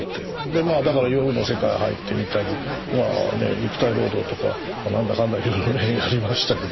まあだから夜の世界入ってみたり肉体労働とか何だかんだいろいろやりましたけど。